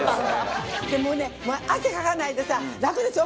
もうね汗かかないでさ楽でしょ。